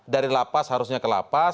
dari lapas harusnya ke lapas